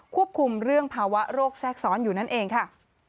ควบคุมเรื่องภาวะโรคแทรกซ้อนอยู่นั่นเองค่ะ